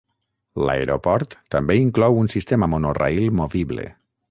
L'aeroport també inclou un sistema monorail movible.